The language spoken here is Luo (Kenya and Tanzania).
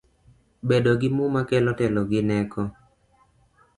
Bedo gi muma kelo telo gi neko